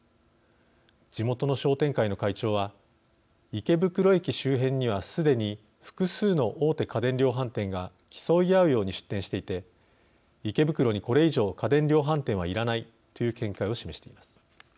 地元の商店会の会長は池袋駅周辺にはすでに複数の大手家電量販店が競い合うように出店していて池袋にこれ以上家電量販店はいらないという見解を示しています。